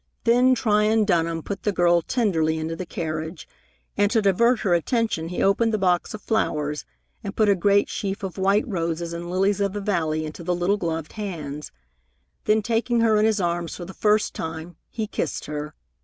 Then Tryon Dunham put the girl tenderly into the carriage, and to divert her attention he opened the box of flowers and put a great sheaf of white roses and lilies of the valley into the little gloved hands. Then, taking her in his arms for the first time, he kissed her.